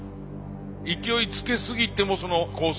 勢いつけすぎてもコース